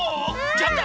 ちょっと！